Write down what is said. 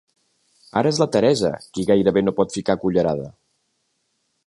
Ara és la Teresa, qui gairebé no pot ficar cullerada.